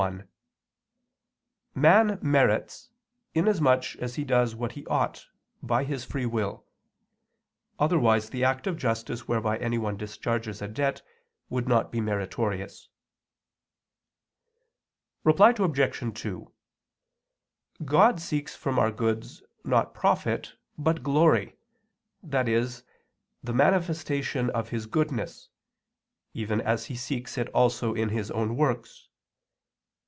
1: Man merits, inasmuch as he does what he ought, by his free will; otherwise the act of justice whereby anyone discharges a debt would not be meritorious. Reply Obj. 2: God seeks from our goods not profit, but glory, i.e. the manifestation of His goodness; even as He seeks it also in His own works.